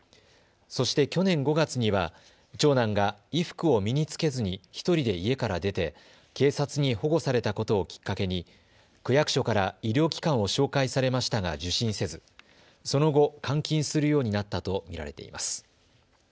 そして去年５月には長男が衣服を身に着けずに１人で家から出て警察に保護されたことをきっかけに区役所から医療機関を紹介されましたが受診せずその後、監禁するようになったと見られています。